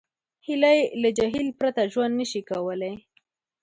هیلۍ له جهیل پرته ژوند نشي کولی